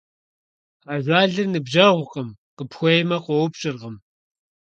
Ажалыр ныбжьэгъукъым, къыпхуеймэ, къоупщӀыркъым.